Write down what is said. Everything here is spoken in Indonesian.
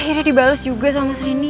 akhirnya dibales juga sama mas rindy